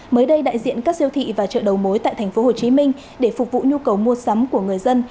mới đây đại diện các siêu thị và chợ đầu mối tại tp hcm để phục vụ nhu cầu mua sắm của người dân